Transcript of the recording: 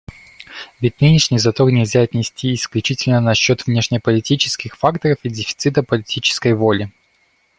Ведь нынешний затор нельзя отнести исключительно на счет внешнеполитических факторов и дефицита политической воли.